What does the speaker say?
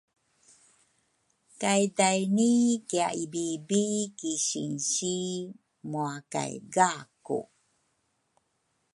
kay daini kiaibibi ki sinsi mua kay gaku.